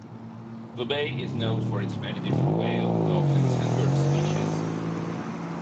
The bay is known for its many different whale, dolphins and bird species.